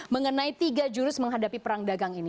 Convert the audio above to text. mengenai tiga jurus menghadapi perang dagang ini